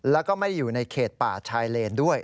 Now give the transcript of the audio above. แล้วก็ไม่ได้อยู่ในเขตป่าชายเลนด้วย